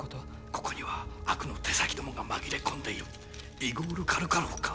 ここには悪の手先どもが紛れ込んでいるイゴール・カルカロフか？